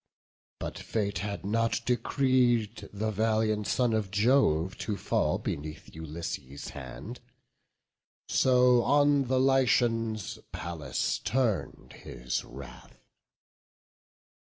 But fate had not decreed the valiant son Of Jove to fall beneath Ulysses' hand; So on the Lycians Pallas turn'd his wrath.